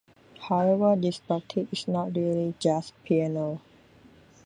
However this practice is not really jazz piano.